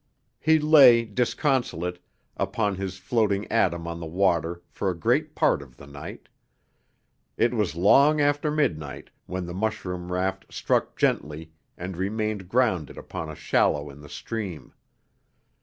He lay, disconsolate, upon his floating atom on the water for a great part of the night. It was long after midnight when the mushroom raft struck gently and remained grounded upon a shallow in the stream.